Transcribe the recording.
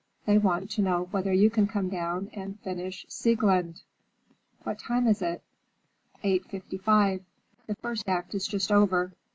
They want to know whether you can come down and finish Sieglinde." "What time is it?" "Eight fifty five. The first act is just over.